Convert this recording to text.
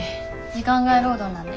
時間外労働なんで。